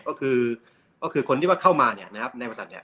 ก็คือก็คือคนที่ว่าเข้ามาเนี่ยนะครับในบริษัทเนี่ย